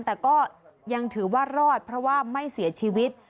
แต่ก็ยังถือว่ารอดเพราะว่าไม่เสียชีวิต